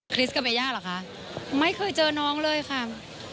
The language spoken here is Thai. กับเบย่าเหรอคะไม่เคยเจอน้องเลยค่ะ